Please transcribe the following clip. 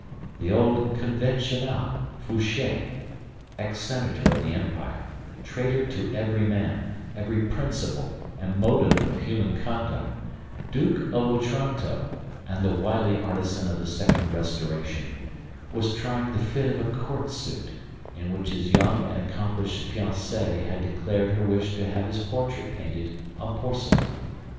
The old Conventional Fouché, ex senator of the empire, traitor to every man, every principle and motive of human conduct, Duke of Otranto, and the wily artisan of the Second Restoration, was trying the fit of a court suit, in which his young and accomplished fiancée had declared her wish to have his portrait painted on porcelain.